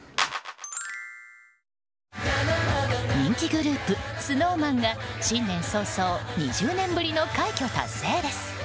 人気グループＳｎｏｗＭａｎが新年早々２０年ぶりの快挙達成です。